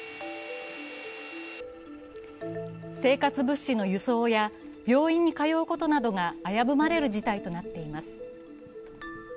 生活物資の輸送や病院に通うことなどが危ぶまれる事態となっています。